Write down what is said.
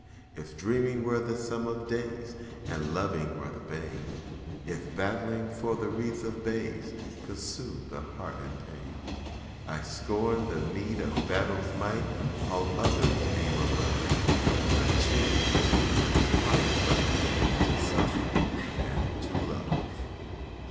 If dreaming were the sum of days, And loving were the bane; If battling for a wreath of bays Could soothe a heart in pain, I 'd scorn the meed of battle's might, All other aims above I 'd choose the human's higher right, To suffer and to love!